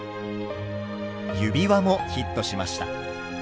指輪もヒットしました。